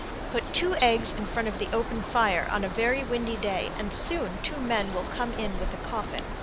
Put two eggs in front of the open fire on a very windy day, and soon two men will come in with a coffin.